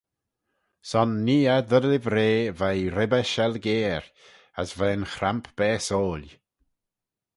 Son nee eh dty livrey veih ribbey shelgeyr: as veih'n chramp baasoil.